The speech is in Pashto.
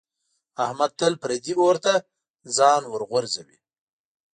احمد تل پردي اور ته ځان ورغورځوي.